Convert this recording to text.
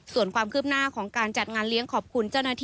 ส่วนความคืบหน้าของการจัดงานเลี้ยงขอบคุณเจ้าหน้าที่